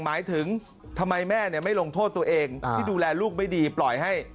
หมายถึงทำไมแม่เนี่ยไม่ลงโทษตัวเองที่ดูแลลูกไม่ดี